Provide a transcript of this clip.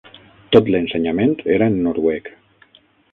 Tot l'ensenyament era en noruec.